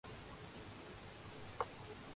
جمہوریہ ڈومینیکن